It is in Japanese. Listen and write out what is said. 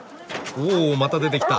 おおまた出てきた！